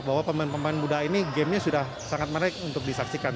bahwa pemain pemain muda ini gamenya sudah sangat menarik untuk disaksikan